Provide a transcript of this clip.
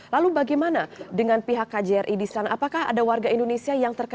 lalu bagaimana dengan pihak kjri di sana apakah ada warga indonesia yang terkena